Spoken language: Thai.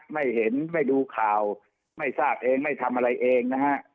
ไม่เห็นไม่ดูข่าวไม่ทราบเองไม่ทำอะไรเองนะฮะ